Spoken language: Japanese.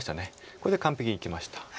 これで完璧に生きました。